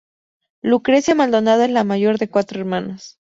Lucrecia Maldonado es la mayor de cuatro hermanos.